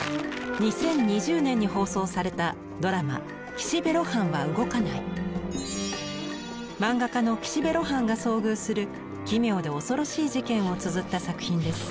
２０２０年に放送されたドラマ漫画家の岸辺露伴が遭遇する奇妙で恐ろしい事件をつづった作品です。